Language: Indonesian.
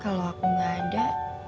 kalau aku gak ada